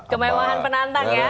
kemewahan penantang ya